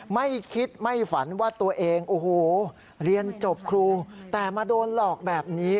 ไม่คิดไม่ฝันว่าตัวเองโอ้โหเรียนจบครูแต่มาโดนหลอกแบบนี้